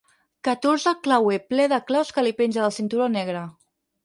Catorze el clauer ple de claus que li penja del cinturó negre.